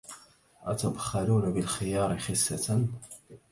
أتبخلون بالخيار خسة